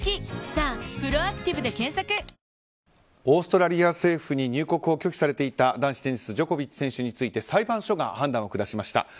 オーストラリア政府に入国を拒否されていた男子テニスジョコビッチ選手について裁判所が判断を下しました。